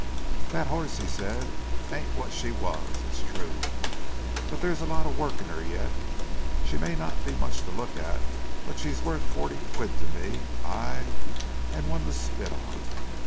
"That 'oss," he said, "ain't what she was, it's true, but there's a lot of work in 'er yet. She may not be much to look at but she's worth forty quid to me ay, and one to spit on!"